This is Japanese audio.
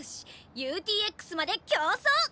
ＵＴＸまで競走！